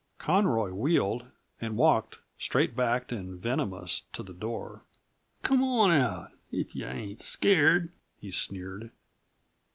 Conroy wheeled and walked, straight backed and venomous, to the door. "Come on out, if yuh ain't scared," he sneered.